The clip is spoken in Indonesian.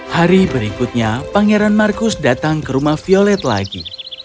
hari berikutnya pangeran marcus datang ke rumah violet lagi